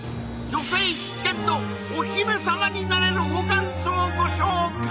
女性必見のお姫様になれるホカンスをご紹介！